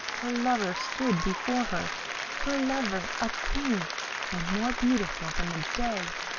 Her lover stood before her her lover a king, and more beautiful than the day!